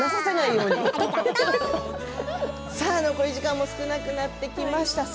残り時間も少なくなってきました。